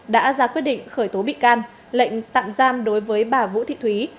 đã ra quyết định khởi tố bị can lệnh tạm giam đối với bà vũ thị thúy